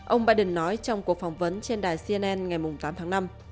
ông biden nói trong cuộc phỏng vấn trên đài cnn ngày tám tháng năm